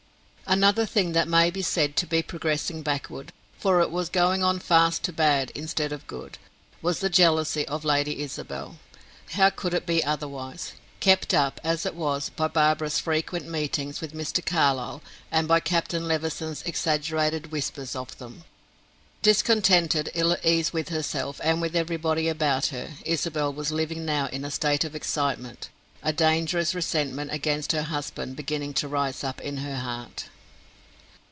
Another thing that may be said to be progressing backward, for it was going on fast to bad, instead of good, was the jealousy of Lady Isabel. How could it be otherwise, kept up, as it was, by Barbara's frequent meetings with Mr. Carlyle, and by Captain Levison's exaggerated whispers of them. Discontented, ill at ease with herself and with everybody about her, Isabel was living now in a state of excitement, a dangerous resentment against her husband beginning to rise up in her heart.